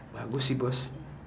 bagus sih bos